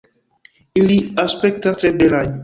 Ili aspektas tre belaj.